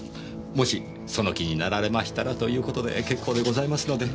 もしその気になられましたらという事で結構でございますので。